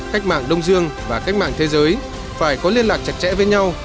cách mạng đông dương và cách mạng thế giới phải có liên lạc chặt chẽ với nhau